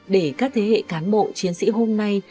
để các thế hệ cán bộ chiến sĩ hôm nay